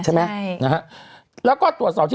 ดื่มน้ำก่อนสักนิดใช่ไหมคะคุณพี่